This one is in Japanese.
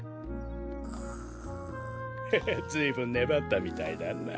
ググ。へへずいぶんねばったみたいだな。